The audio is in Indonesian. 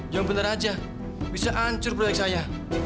yang benar aja bisa hancur proyek saya